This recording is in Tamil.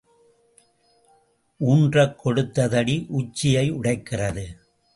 ஊன்றக் கொடுத்த தடி உச்சியை உடைக்கிறது.